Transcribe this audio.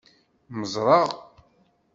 Mmeẓreɣ.